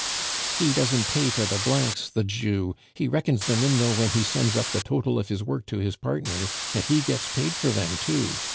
"He doesn't pay for the blanks, the Jew! He reckons them in though when he sends up the total of his work to his partner, and he gets paid for them too.